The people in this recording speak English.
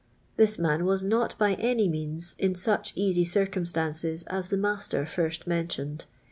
Q'his m:in was not by any mean* iu such easy clrcumst.mces as the ma*ter first mentioned.